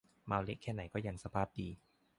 เมาเละแค่ไหนก็ยังสภาพดี